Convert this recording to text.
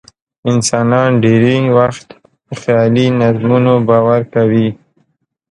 انسانان ډېری وخت په خیالي نظمونو باور کوي.